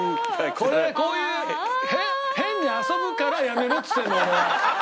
これこういう変に遊ぶからやめろっつってんの俺は。